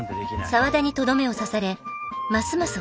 沢田にとどめを刺されますます